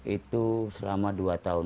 itu selama dua tahun